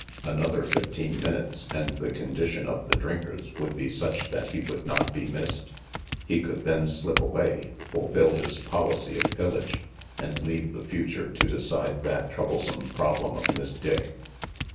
Another fifteen minutes and the condition of the drinkers would be such that he would not be missed. He could then slip away, fulfil his policy of pillage, and leave the future to decide that troublesome problem of Miss Dick.